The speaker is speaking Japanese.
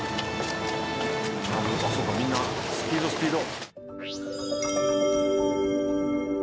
そうかみんなスピードスピード。